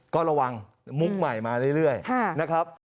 ก็ระวังมุกใหม่มาเรื่อยนะครับ